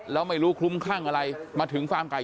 แล้วไม่รู้คลุ้มคลั่งอะไรมาถึงฟาร์มไก่